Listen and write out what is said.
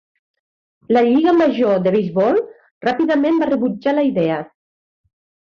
La Lliga Major de Beisbol ràpidament va rebutjar la idea.